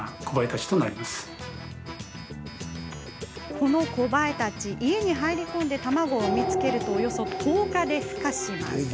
このコバエたち、家に入り込んで卵を産み付けるとおよそ１０日でふ化。